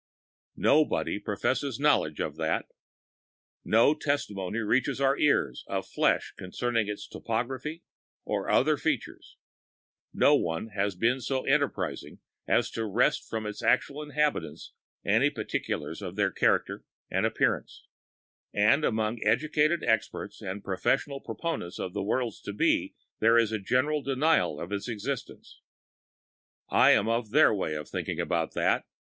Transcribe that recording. Nobody professes knowledge of that. No testimony reaches our ears of flesh concerning its topographical or other features; no one has been so enterprising as to wrest from its actual inhabitants any particulars of their character and appearance, to refresh our memory withal. And among educated experts and professional proponents of worlds to be there is a general denial of its existence. I am of their way of thinking about that.